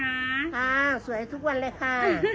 สวยทุกวันเลยค่ะ